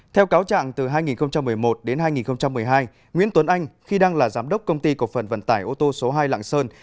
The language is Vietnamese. theo cáo trạng từ hai nghìn một mươi một đến hai nghìn một mươi hai nguyễn tuấn anh khi đang là giám đốc công ty cộng phần vận tải ô tô số hai lạng sơn